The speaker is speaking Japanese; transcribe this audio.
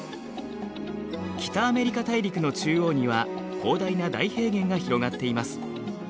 北アメリカ大陸の中央には広大な大平原が広がっています。